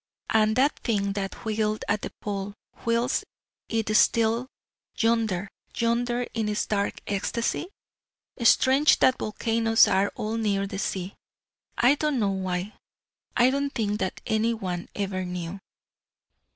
And that thing that wheeled at the Pole, wheels it still yonder, yonder, in its dark ecstasy? Strange that volcanoes are all near the sea: I don't know why; I don't think that anyone ever knew.